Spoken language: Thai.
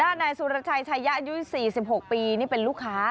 นายสุรชัยชายะอายุ๔๖ปีนี่เป็นลูกค้า